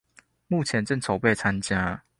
目前正在籌備參加